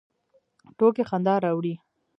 ټوکې خندا راوړي